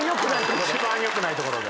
一番よくないところで。